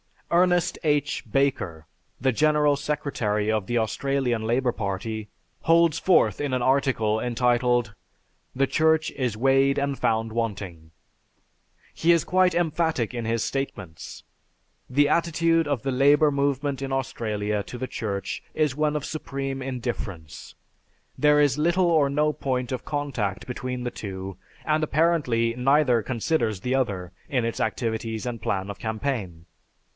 Ernest H. Barker, the general secretary of the Australian Labor Party, holds forth in an article entitled, "The Church is Weighed and Found Wanting." He is quite emphatic in his statements. "The attitude of the Labor Movement in Australia to the Church is one of supreme indifference. There is little or no point of contact between the two and apparently neither considers the other in its activities and plan of campaign....